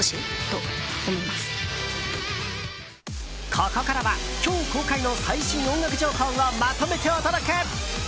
ここからは今日公開の最新音楽情報をまとめてお届け。